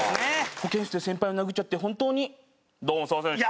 保健室で先輩を殴っちゃって本当にどもすみませんでした。